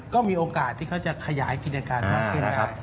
ก็มีโอกาสที่เขาจะขยายกิจการมากขึ้นนะครับ